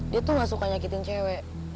dia tuh gak suka nyakitin cewek